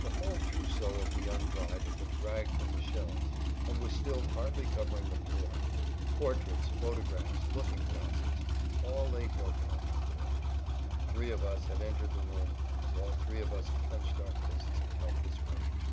The whole trousseau of the young bride had been dragged from the shelves and was still partly covering the floor. Portraits, photographs, looking glasses, all lay broken on the floor. Three of us had entered the room, and all three of us clenched our fists in helpless rage.